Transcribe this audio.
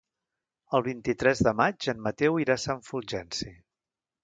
El vint-i-tres de maig en Mateu irà a Sant Fulgenci.